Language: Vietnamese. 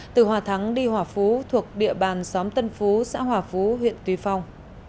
từ hòa thắng đi hòa phú thuộc địa bàn xóm tân phú xã hòa phú huyện tuy phong